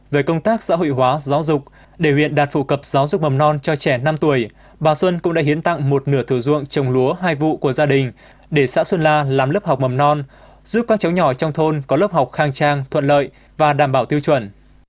về công tác xã hội hóa giáo dục để huyện đạt phổ cập giáo dục mầm non cho trẻ năm tuổi bà xuân cũng đã hiến tặng một nửa thừa ruộng trồng lúa hai vụ của gia đình để xã xuân la làm lớp học mầm non giúp các cháu nhỏ trong thôn có lớp học khang trang thuận lợi và đảm bảo tiêu chuẩn